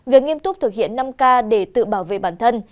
việc nghiêm túc thực hiện năm k để tự bảo vệ bản thân